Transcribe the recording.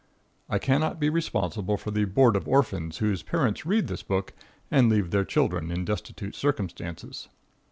I cannot be responsible for the board of orphans whose parents read this book and leave their children in destitute circumstances.